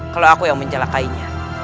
kalau aku yang menjelakainya